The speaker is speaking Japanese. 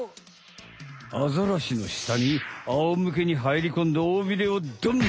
アザラシのしたにあおむけにはいりこんで尾ビレをドン！